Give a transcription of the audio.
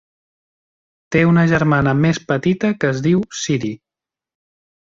Té una germana més petita que es diu Ciri.